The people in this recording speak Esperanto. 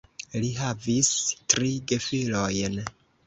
Li havis tri gefilojn.